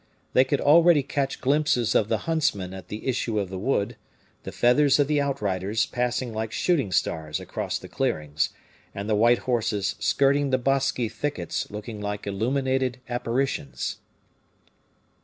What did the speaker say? They could already catch glimpses of the huntsmen at the issue of the wood, the feathers of the outriders passing like shooting stars across the clearings, and the white horses skirting the bosky thickets looking like illuminated apparitions.